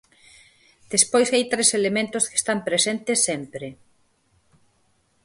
Despois hai tres elementos que están presentes sempre.